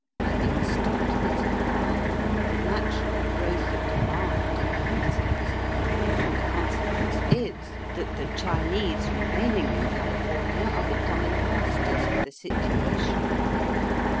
Having stopped the supply, the natural growth of demand increases, and the consequence is that the Chinese remaining in California are becoming masters of the situation.